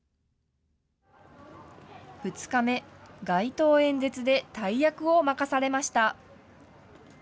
２日目、街頭演説で大役を任されました。